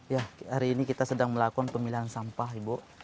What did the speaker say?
ya hari ini kita sedang melakukan pemilihan sampah ibu